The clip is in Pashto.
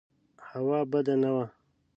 هوا بده نه وه.